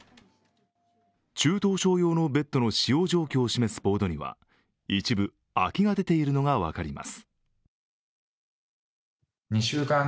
中等症用のベッドの使用率を示すボードには一部空きが出ているのが分かります。